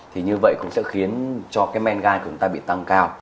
thì như vậy cũng sẽ khiến cho cái men ga của chúng ta bị tăng cao